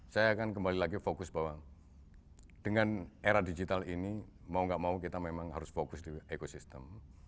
saya akan kembali lagi fokus bahwa dengan era digital ini mau gak mau kita memang harus fokus di ekosistem